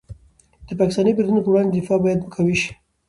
د پاکستاني بریدونو په وړاندې دفاع باید قوي شي.